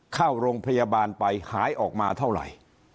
เข้าโรงพยาบาลไปหายออกมาเท่าไหร่